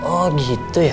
oh gitu ya